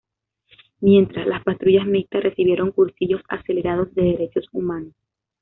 Mientras, las patrullas mixtas recibieron cursillos acelerados de derechos humanos.